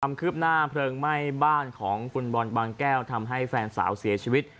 ความคืบหน้าเพลิงไหม้บ้านของคุณบอลบางแก้วทำให้แฟนสาวเสียชีวิต